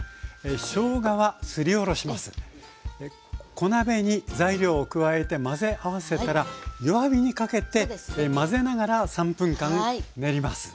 小鍋に材料を加えて混ぜ合わせたら弱火にかけて混ぜながら３分間練ります。